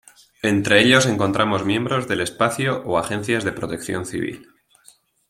Entre ellos encontramos miembros del espacio o agencias de protección civil.